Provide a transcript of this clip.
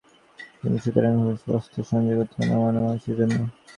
সুতরাং নানাপ্রকার বস্তুর সংযোগে উৎপন্ন মনও পুরুষের জন্য।